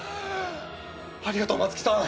ありがとう松木さん。